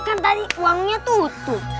kan tadi uangnya tutup